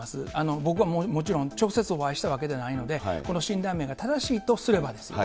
僕はもちろん、直接お会いしたわけではないので、この診断名が正しいとすればですよ。